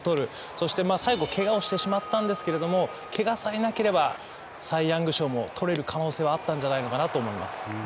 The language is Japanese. そして最後ケガをしてしまったんですけれどもケガさえなければサイ・ヤング賞も取れる可能性はあったんじゃないのかなと思います。